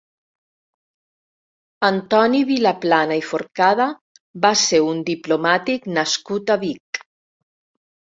Antoni Vilaplana i Forcada va ser un diplomàtic nascut a Vic.